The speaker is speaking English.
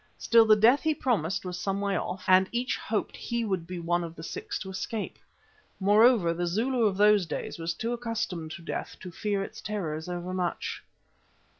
Still the death he promised was some way off, and each hoped he would be one of the six to escape. Moreover, the Zulu of those days was too accustomed to death to fear its terrors over much.